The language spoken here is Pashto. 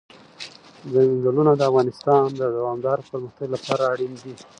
چنګلونه د افغانستان د دوامداره پرمختګ لپاره اړین دي.